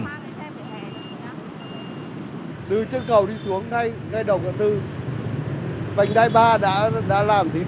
từ trên cầu đi xuống đây ngay đầu gã tư vành đai ba đã làm tí điểm rồi bây giờ làm lại vẫn như thế